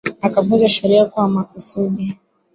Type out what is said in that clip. akavunja sheria kwa makusudi